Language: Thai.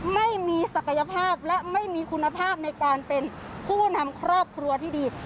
ไม่มีศักยภาพและไม่มีคุณภาพในการเป็นผู้นำครอบครัวที่ดี